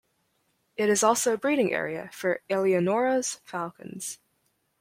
It is also a breeding area for Eleonora's falcons.